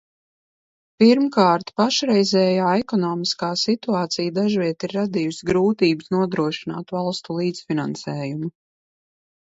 Pirmkārt, pašreizējā ekonomiskā situācija dažviet ir radījusi grūtības nodrošināt valstu līdzfinansējumu.